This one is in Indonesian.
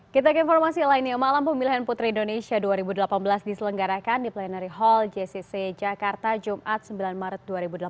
kita ke informasi lainnya malam pemilihan putri indonesia dua ribu delapan belas diselenggarakan di plenary hall jcc jakarta jumat sembilan maret dua ribu delapan belas